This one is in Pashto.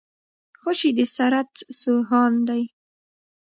خوشي د سرت سو هان دی.